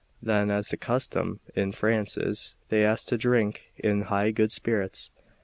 Then, as the custom in France is, they asked to drink, in high good spirits.